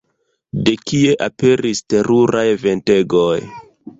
De kie aperis teruraj ventegoj?